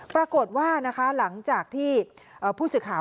ปรากฏว่านะคะหลังจากที่ผู้สื่อข่าว